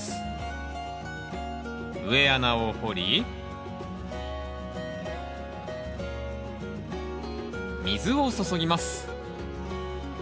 植え穴を掘り水を注ぎます。